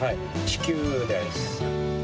地球です。